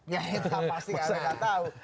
ya pasti anda gak tau